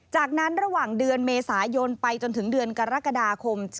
จากนั้นระหว่างเดือนเมษายนไปจนถึงเดือนกรกฎาคม